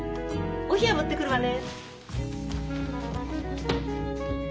お冷や持ってくるわね。